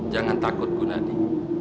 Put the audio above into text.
jangan takut gunadi